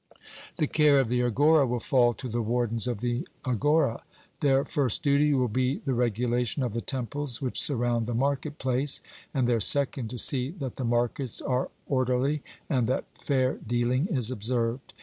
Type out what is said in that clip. The care of the agora will fall to the wardens of the agora. Their first duty will be the regulation of the temples which surround the market place; and their second to see that the markets are orderly and that fair dealing is observed.